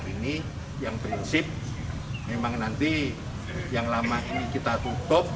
ini yang prinsip memang nanti yang lama ini kita tutup